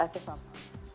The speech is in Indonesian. terima kasih pam